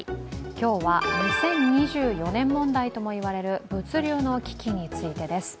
今日は、２０２４年問題とも言われる物流の危機についてです。